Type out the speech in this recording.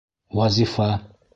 Вазифа